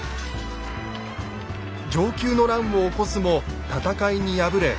承久の乱を起こすも戦いに敗れ